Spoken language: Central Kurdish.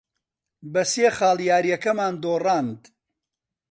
بە سێ خاڵ یارییەکەمان دۆڕاند.